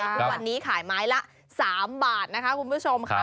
ทุกวันนี้ขายไม้ละ๓บาทนะคะคุณผู้ชมค่ะ